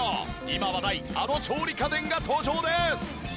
今話題あの調理家電が登場です。